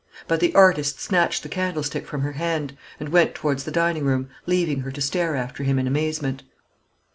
But the artist snatched the candlestick from her hand, and went towards the dining room, leaving her to stare after him in amazement.